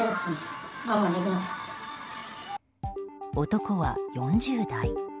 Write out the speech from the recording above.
男は４０代。